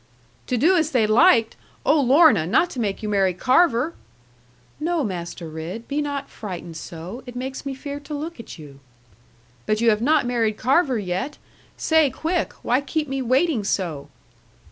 'To do as they liked! Oh, Lorna, not to make you marry Carver?' 'No, Master Ridd, be not frightened so; it makes me fear to look at you.' 'But you have not married Carver yet? Say quick! Why keep me waiting so?'